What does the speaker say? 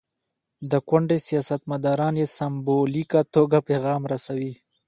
د کونډې سیاستمداران یې سمبولیکه توګه پیغام رسوي.